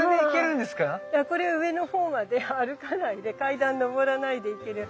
これ上の方まで歩かないで階段上らないで行ける